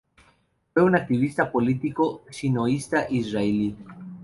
Fue un activista político sionista israelí.